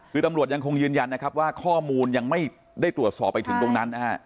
คือตำรวจยังคงยืนยันนะครับว่าข้อมูลยังไม่ได้ตรวจสอบไปถึงตรงนั้นนะฮะ